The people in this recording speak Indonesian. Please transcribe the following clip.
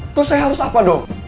itu saya harus apa